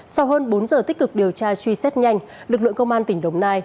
sau hơn bốn giờ tích cực điều tra truy xét nhanh lực lượng công an tỉnh đồng nai